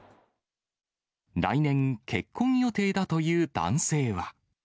来年、結婚予定だという男性は。